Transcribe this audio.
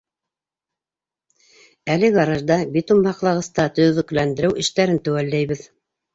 Әле гаражда, битум һаҡлағыста төҙөкләндереү эштәрен теүәлләйбеҙ.